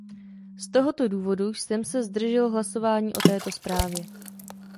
Z tohoto důvodu jsem se zdržel hlasování o této zprávě.